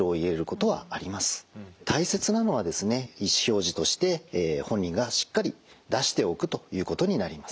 大切なのはですね意思表示として本人がしっかり出しておくということになります。